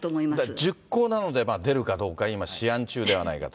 熟考なので出るかどうか今、思案中ではないかと。